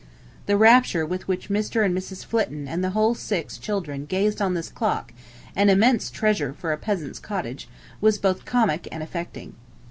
The rapture with which Mr. and Mrs. Flitton and the whole six children gazed on this clock, an immense treasure for a peasant's cottage, was both comic and affecting.